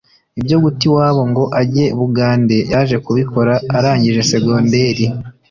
Ibyo guta iwabo ngo ajye Bugande yaje kubikora arangije segonderi